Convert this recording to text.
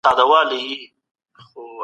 پښتو کې ډېر علمي کتابونه نشته.